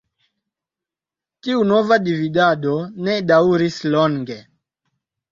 Tiu nova dividado ne daŭris longe.